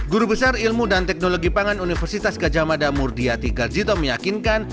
guru besar ilmu dan teknologi pangan universitas gajah mada murdiati garjito meyakinkan